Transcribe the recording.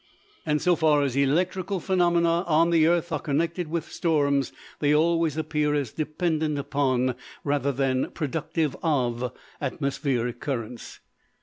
And so far as electrical phenomena on the earth are connected with storms, they always appear as dependent upon rather than productive of atmospheric currents.